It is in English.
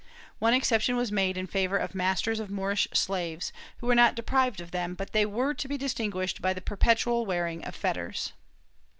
One exception was made in favor of masters of Moorish slaves, who were not deprived of them, but they were to be distinguished by the perpetual wearing of fetters.